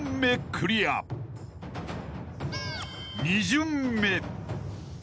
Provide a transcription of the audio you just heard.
［２巡目］